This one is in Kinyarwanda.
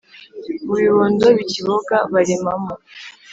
mu bibondo bikiboga baremamo